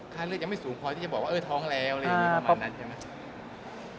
เลือดยังไม่สูงพอที่จะบอกว่าเออท้องแล้วอะไรอย่างนี้ประมาณนั้นใช่ไหม